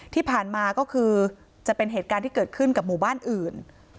ที่ผ่านมาก็คือจะเป็นเหตุการณ์ที่เกิดขึ้นกับหมู่บ้านอื่น